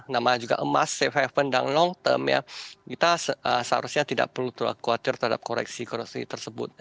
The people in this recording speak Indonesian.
namanya juga emas safe haven dan nong term ya kita seharusnya tidak perlu khawatir terhadap koreksi koreksi tersebut